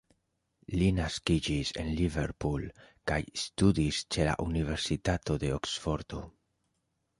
Li naskiĝis en Liverpool kaj studis ĉe la Universitato de Oksfordo.